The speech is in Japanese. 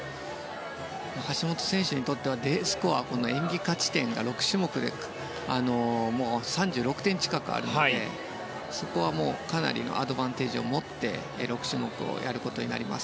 橋本選手にとってはＤスコア、演技価値点が６種目で３６点近くあるのでそこは、かなりアドバンテージを持って６種目をやることになります。